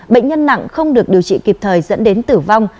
bệnh nhân nặng không được điều trị kịp thời dẫn đến tử vong